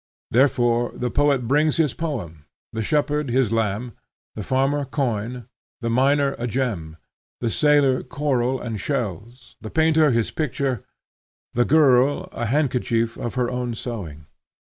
Therefore the poet brings his poem; the shepherd, his lamb; the farmer, corn; the miner, a gem; the sailor, coral and shells; the painter, his picture; the girl, a handkerchief of her own sewing.